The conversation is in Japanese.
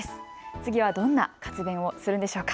次はどんな活弁をするんでしょうか。